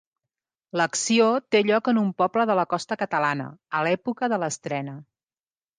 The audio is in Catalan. L'acció té lloc en un poble de la costa catalana, a l'època de l'estrena.